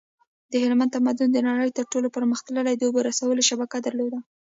د هلمند تمدن د نړۍ تر ټولو پرمختللی د اوبو رسولو شبکه درلوده